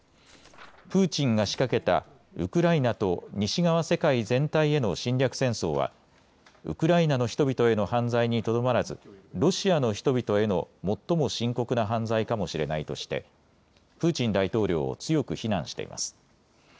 プーチンが仕掛けたウクライナと西側世界全体への侵略戦争はウクライナの人々への犯罪にとどまらず、ロシアの人々への最も深刻な犯罪かもしれないとしてプーチン大統領を強く非難しています。